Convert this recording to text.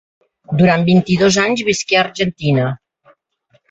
Durant vint-i-dos anys visqué a Argentina.